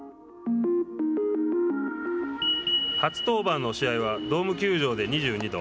初登板の試合はドーム球場で２２度。